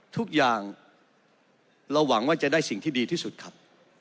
ทุกอย่างเราหวังว่าจะได้สิ่งที่ดีที่สุดครับ